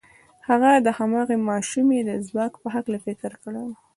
هغه د هماغې ماشومې د ځواک په هکله فکر کړی و.